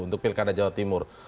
untuk pilkada jawa timur